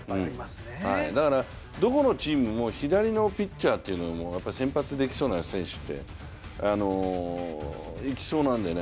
どこのチームも左のピッチャーは先発できそうな選手っていきそうなんだよね。